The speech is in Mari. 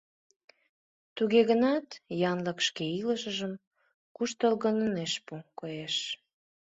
Туге гынат янлык шке илышыжым куштылгын ынеж пу, коеш.